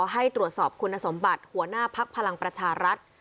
ให้ตรวจสอบคุณสมบัติหัวหน้าพักพลังประชารัฐ